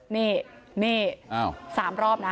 นี่นี่๓รอบนะ